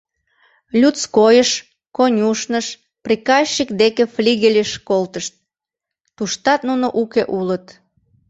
Людскойыш, конюшньыш, приказчик деке флигельыш колтышт — туштат нуно уке улыт.